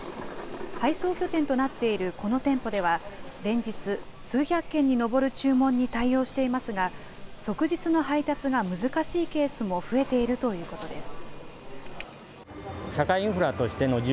配送拠点となっているこの店舗では、連日、数百件に上る注文に対応していますが、即日の配達が難しいケースも増えているということです。